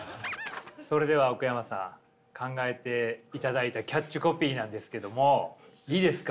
それでは奥山さん考えていただいたキャッチコピーなんですけどもいいですか？